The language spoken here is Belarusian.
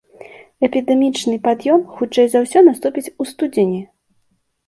Эпідэмічны пад'ём хутчэй за ўсё наступіць у студзені.